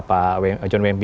pak jomim mp